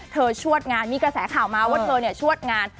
ชวดงานมีกระแสข่าวมาว่าเธอชวดงาน